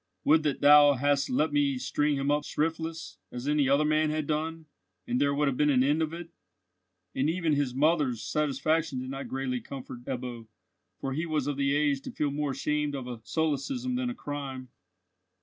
Would that thou hadst let me string him up shriftless, as any other man had done, and there would have been an end of it!" And even his mother's satisfaction did not greatly comfort Ebbo, for he was of the age to feel more ashamed of a solecism than a crime.